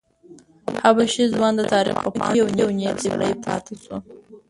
حبشي ځوان د تاریخ په پاڼو کې یو نېک سړی پاتې شو.